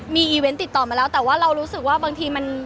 มีอีเวนต์ติดต่อมาแล้วแต่ว่าเรารู้สึกว่าบางทีมัน